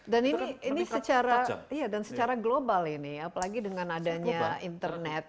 dan ini secara global ini ya apalagi dengan adanya internet ya